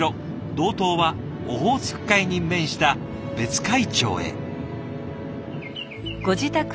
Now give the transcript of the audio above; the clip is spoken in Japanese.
道東はオホーツク海に面した別海町へ。